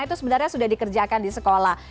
karena itu sebenarnya sudah dikerjakan di sekolah